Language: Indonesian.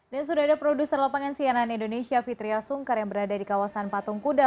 dan sudah ada produser lopengan siaran indonesia fitria sungkar yang berada di kawasan patung kuda